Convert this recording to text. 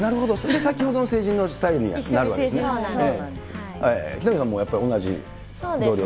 先ほどの成人のスタイルになるわけですね。